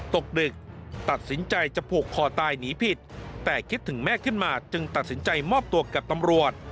ตกดึกตัดสินใจจะผูกคอตายหนีผิดแต่คิดถึงแม่ขึ้นมาจึงตัดสินใจมอบตัวกับตำรวจ